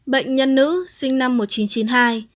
bệnh nhân nữ sinh năm một nghìn chín trăm chín mươi hai